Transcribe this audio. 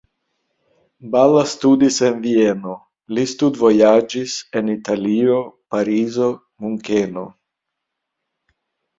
Balla studis en Vieno, li studvojaĝis en Italio, Parizo, Munkeno.